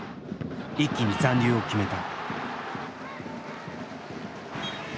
一気に残留を決めた。